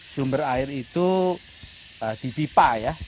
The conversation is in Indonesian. sumber air itu dipipa ya